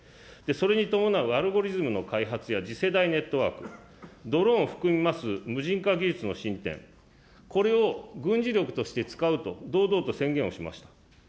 それに伴うアルゴリズムの開発や次世代ネットワーク、ドローンを含みます無人化技術の進展、これを軍事力として使うと、堂々と宣言をしました。